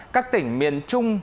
các tỉnh miền trung